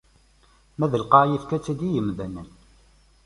Ma d lqaɛa, ifka-tt-id i yimdanen.